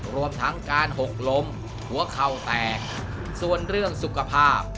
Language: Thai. รวมทั้งการหกล้มหัวเข่าแตกส่วนเรื่องสุขภาพ